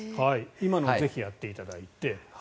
今のをぜひやっていただいて。